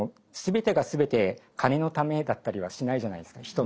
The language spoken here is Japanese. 全てが全て金のためだったりはしないじゃないですか。